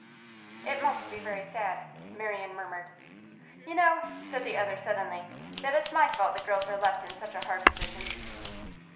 'It must be very sad,' Marian murmured. 'You know,' said the other suddenly, 'that it's my fault the girls are left in such a hard position?